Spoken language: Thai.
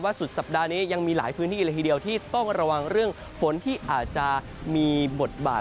สุดสัปดาห์นี้ยังมีหลายพื้นที่เลยทีเดียวที่ต้องระวังเรื่องฝนที่อาจจะมีบทบาท